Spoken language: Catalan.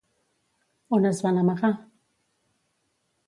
On es van amagar?